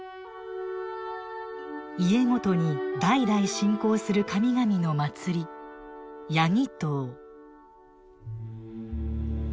家ごとに代々信仰する神々の祭り「家祈祷」。